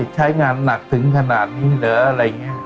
ใช้งานหนักถึงขนาดนี้เหรอ